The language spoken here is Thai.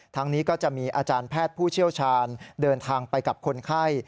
นี้ก็จะมีอาจารย์แพทย์ผู้เชี่ยวชาญเดินทางไปกับคนไข้